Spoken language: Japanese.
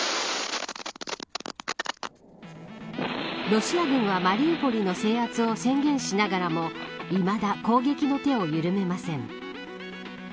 ロシア軍はマリウポリの制圧を宣言しながらもいまだ攻撃の手を緩めません。